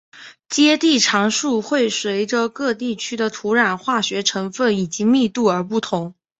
接地常数会随各地区的土壤化学成份以及密度而不同。